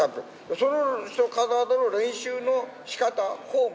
その人からの練習の仕方フォーム